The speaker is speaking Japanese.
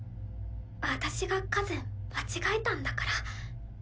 私が数間違えたんだから。